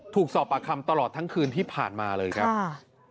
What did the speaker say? ถูกสอบปากคำตลอดทั้งคืนที่ผ่านมาเลยครับค่ะ